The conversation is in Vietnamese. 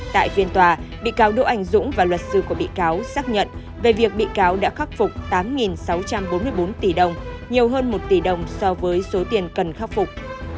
tại phiên tòa bị cáo đỗ anh dũng và luật sư của bị cáo xác nhận về việc bị cáo đã khắc phục tám sáu trăm bốn mươi bốn tỷ đồng nhiều hơn một tỷ đồng so với số tiền cần khắc phục